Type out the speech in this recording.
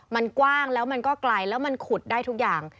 มันกว้างแล้วมันก็ไกลแล้วมันขุดได้ทุกอย่าง